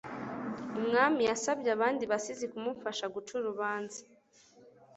Umwami yasabye abandi basizi kumufasha guca urubanza